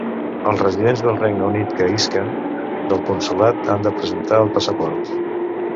Els residents del Regne Unit que isquen del Consolat han de presentar el passaport.